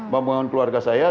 membangun keluarga saya